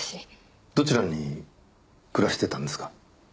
どちらに暮らしてたんですか？